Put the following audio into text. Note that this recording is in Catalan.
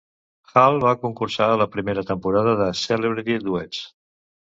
Hal va concursar a la primera temporada de "Celebrity Duets".